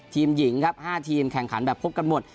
ทีมหญิงครับ๕ทีมแข่งขันแบบพบกันหมด